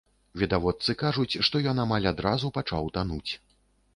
Відавочцы кажуць, што ён амаль адразу пачаў тануць.